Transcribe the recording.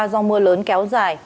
do mưa lớn kéo dài